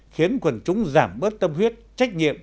khiến quần chúng giảm bớt tâm huyết trách nhiệm